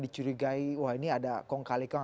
dicurigai wah ini ada kong kalikong